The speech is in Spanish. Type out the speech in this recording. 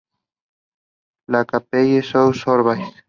La Chapelle-sous-Orbais